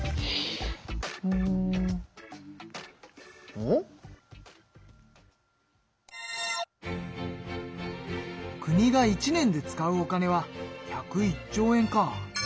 おっ？国が一年で使うお金は１０１兆円か。